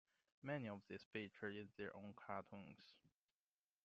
Many of these feature in their own cartoons.